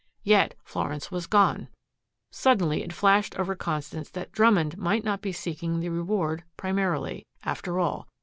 Yet Florence was gone! Suddenly it flashed over Constance that Drummond might not be seeking the reward primarily, after all.